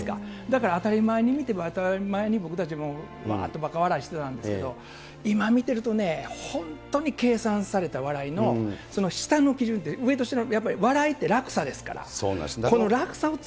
だから、当たり前に見て、当たり前に僕たちもわーっとばか笑いしてたんですけど、今見てるとね、本当に計算された笑いの下の基準、上と下の、やっぱり笑いって落差ですね。